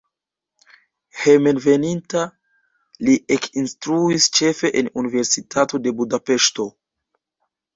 Hejmenveninta li ekinstruis ĉefe en Universitato de Budapeŝto.